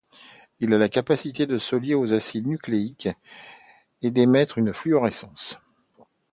Il a la capacité de se lier aux acides nucléiques et d'émettre une fluorescence.